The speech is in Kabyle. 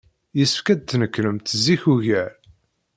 Yessefk ad d-tnekrem zik ugar.